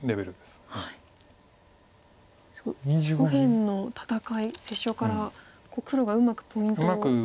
すごい右辺の戦い折衝から黒がうまくポイントを。